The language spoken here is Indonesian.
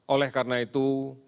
oleh karena itu